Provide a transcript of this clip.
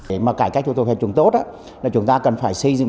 để mà cải cách thủ tục hành chúng tốt là chúng ta cần phải xây dựng